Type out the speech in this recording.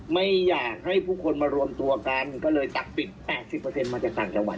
ไม่อยากให้ผู้คนมารวมตัวกันก็เลยตักปิด๘๐มาจากต่างจังหวัด